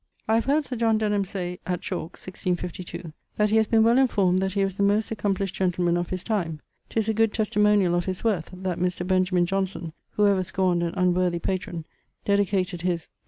I have heard Sir John Denham say (at Chalke, 1652), that he haz been well enformed that he was the most accomplished gentleman of his time. 'Tis a good testimoniall of his worth, that Mr. Benjamin Johnson (who ever scorned an unworthy patrone) dedicated his